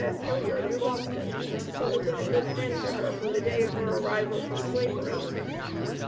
S. Hilliard, of Boston, who had been a good friend to her from the day of her arrival from slavery.